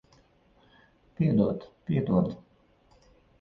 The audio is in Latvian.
Piedod. Piedod.